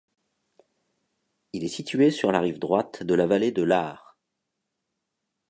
Il est situé sur la rive droite de la vallée de l'Aar.